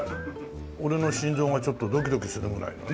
俺の心臓がちょっとドキドキするぐらいのね。